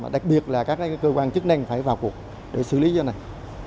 đặc biệt là các cái cơ quan chức năng phải vào cuộc để xử lý như thế này